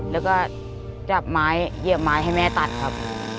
แล้วก็จับไม้เหยียบไม้ให้แม่ตัดครับ